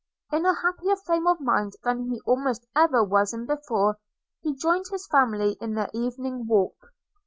In a happier frame of mind than he almost ever was in before, he joined his family in their evening walk.